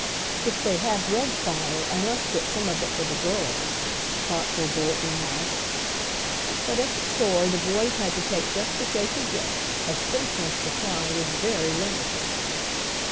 "If they have red fire I must get some of it for the girls," thoughtful Bert remarked. But at the store the boys had to take just what they could get, as Stimpson's supply was very limited.